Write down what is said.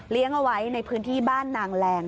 เลี้ยงเอาไว้ในพื้นที่บ้านนางแหลง